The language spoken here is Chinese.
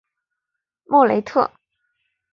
莫雷特。